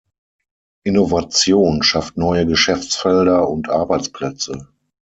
Innovation schafft neue Geschäftsfelder und Arbeitsplätze.